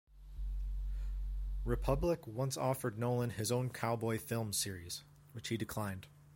Republic once offered Nolan his own cowboy film series, which he declined.